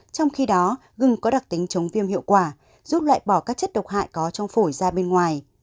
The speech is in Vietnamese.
trong khi đó gừng có đặc tính chống viêm hiệu quả giúp loại bỏ các chất độc hại có trong phổi ra bên ngoài